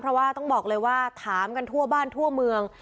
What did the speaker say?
เพราะว่าต้องบอกเลยว่าถามกันทั่วบ้านทั่วเมือง